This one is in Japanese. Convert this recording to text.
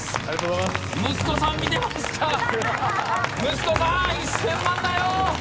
息子さん１０００万だよ